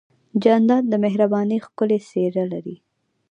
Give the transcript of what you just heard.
جانداد د مهربانۍ ښکلی څېرہ لري.